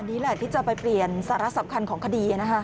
อันนี้แหละที่จะไปเปลี่ยนสารสำคัญของคดีนะครับ